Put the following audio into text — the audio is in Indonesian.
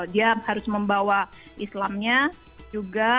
dia harus membawa islamnya juga